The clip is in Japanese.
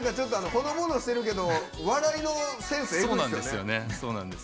ほのぼのしてるけど笑いのセンス、えぐいですよね。